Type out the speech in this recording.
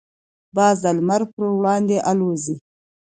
باز د لمر پر وړاندې الوزي.